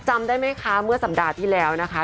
จำได้ไหมคะเมื่อสัปดาห์ที่แล้วนะคะ